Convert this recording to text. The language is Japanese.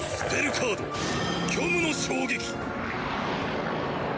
カード虚無の衝撃。